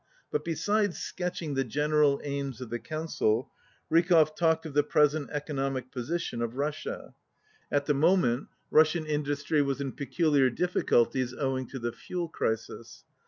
But besides sketching the general aims of the Council, Rykov talked of the present economic position of Russia. At the mo ment Russian industry was in peculiar difficulties 127 owing to the fuel crisis.